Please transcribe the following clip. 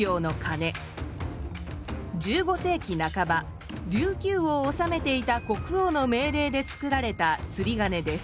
１５世紀半ば琉球を治めていた国王の命令でつくられたつりがねです。